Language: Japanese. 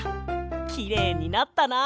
きれいになったな！